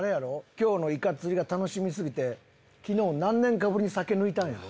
今日のイカ釣りが楽しみすぎて昨日何年かぶりに酒抜いたんやろ？